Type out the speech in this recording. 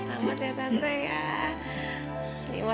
selamat datang tante ya